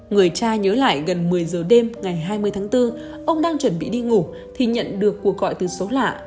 người cha nhớ lại gần một mươi giờ đêm ngày hai mươi tháng bốn ông đang chuẩn bị đi ngủ thì nhận được cuộc gọi từ số lạ